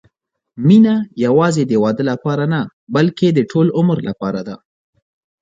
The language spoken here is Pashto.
مینه یوازې د واده لپاره نه، بلکې د ټول عمر لپاره ده.